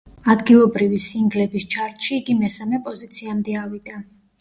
ადგილობრივი სინგლების ჩარტში იგი მესამე პოზიციამდე ავიდა.